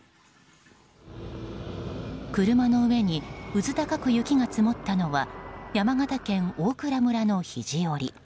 車の上にうず高く雪が積もったのは山形県大蔵村の肘折。